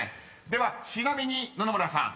［ではちなみに野々村さん］